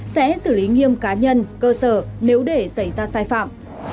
sẽ xử lý nghiêm cá nhân cơ sở nếu để xảy ra sai phạm